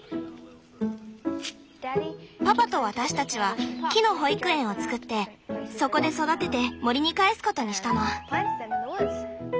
パパと私たちは木の「保育園」を作ってそこで育てて森に還すことにしたの。